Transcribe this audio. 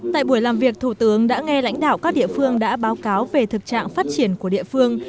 tại buổi làm việc thủ tướng đã nghe lãnh đạo các địa phương đã báo cáo về thực trạng phát triển của địa phương